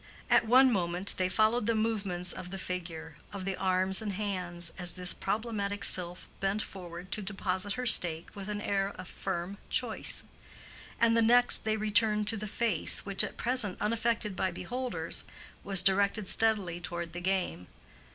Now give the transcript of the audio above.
At one moment they followed the movements of the figure, of the arms and hands, as this problematic sylph bent forward to deposit her stake with an air of firm choice; and the next they returned to the face which, at present unaffected by beholders, was directed steadily toward the game.